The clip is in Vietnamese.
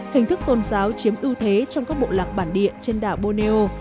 hình thức tôn giáo chiếm ưu thế trong các bộ lạc bản địa trên đảo borneo